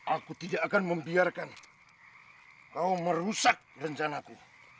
aku tidak akan membiarkan kau merusak rencanaku